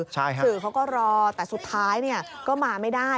สื่อเขาก็รอแต่สุดท้ายก็มาไม่ได้